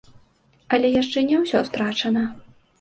Але яшчэ не ўсё страчана.